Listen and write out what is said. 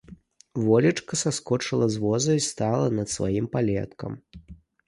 Волечка саскочыла з воза і стала над сваім палеткам.